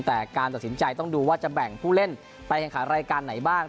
แต่การตัดสินใจต้องดูว่าจะแบ่งผู้เล่นไปแข่งขันรายการไหนบ้าง